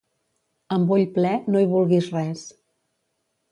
Amb ull ple, no hi vulguis res.